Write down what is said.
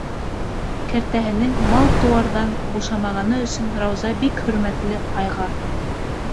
Кәртәһенең мал-тыуарҙан бушамағаны өсөн Рауза бик хөрмәтле айға.